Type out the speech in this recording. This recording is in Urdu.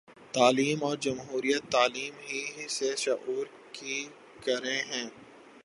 تعلیم اور جمہوریت تعلیم ہی سے شعور کی گرہیں